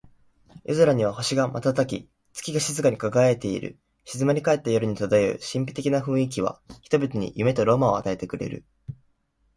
夜空には星が瞬き、月が静かに輝いている。静まり返った夜に漂う神秘的な雰囲気は、人々に夢とロマンを与えてくれる。